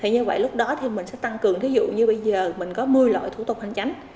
như vậy lúc đó thì mình sẽ tăng cường ví dụ như bây giờ mình có một mươi loại thủ tục hành chính